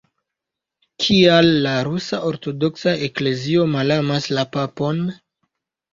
Kial la rusa ortodoksa eklezio malamas la papon?